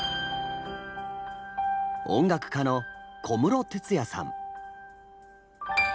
音楽家の小室哲哉さん。